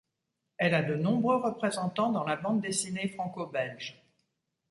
Elle a de nombreux représentants dans la bande dessinée franco-belge.